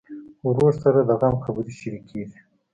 ورور سره د غم خبرې شريکېږي.